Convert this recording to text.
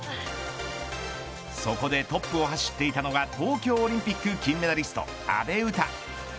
そこでトップを走っていたのが東京オリンピック金メダリスト阿部詩。